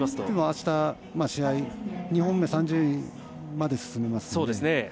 あした、試合、２本目３０位まで進めます。